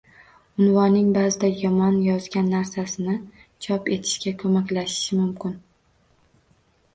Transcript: Unvoning baʼzida yomon yozgan narsangni chop etishga koʻmaklashishi mumkin